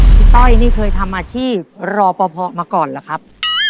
ต้อยนี่เคยทำอาชีพรอปภมาก่อนเหรอครับ